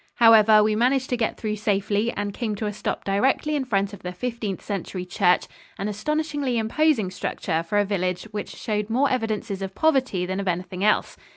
However, we managed to get through safely and came to a stop directly in front of the Fifteenth Century church, an astonishingly imposing structure for a village which showed more evidences of poverty than of anything else.